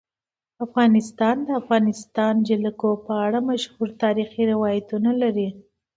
افغانستان د د افغانستان جلکو په اړه مشهور تاریخی روایتونه لري.